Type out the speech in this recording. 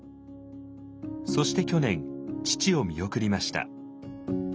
そして去年父を見送りました。